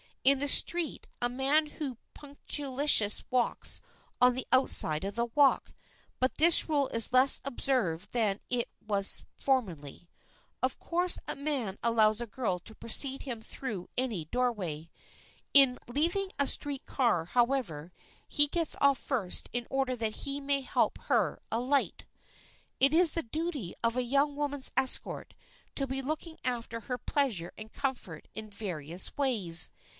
In the street a man who is punctilious walks on the outside of the walk, but this rule is less observed than it was formerly. Of course, a man allows a girl to precede him through any doorway. In leaving a street car, however, he gets off first in order that he may help her alight. [Sidenote: A YOUNG WOMAN'S ESCORT] It is the duty of a young woman's escort to be looking after her pleasure and comfort in various ways.